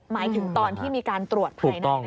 หมายถึงตอนที่มีการตรวจภัยนั้นเอง